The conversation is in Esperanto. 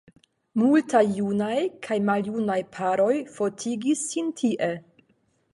Multaj junaj kaj maljunaj paroj fotigis sin tie.